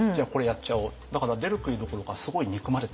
だから出る杭どころかすごい憎まれた。